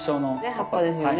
葉っぱですよね。